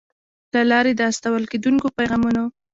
له لارې د استول کېدونکو پیغامونو